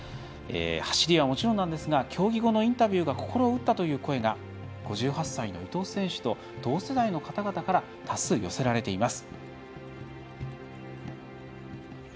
走りはもちろんなんですが競技後のインタビューが心を打ったという声が５８歳の伊藤選手と同世代の方々から多数、寄せられています。